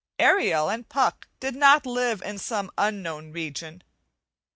Ariel and Puck did not live in some unknown region.